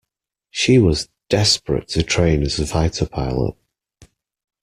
She was desperate to train as a fighter pilot.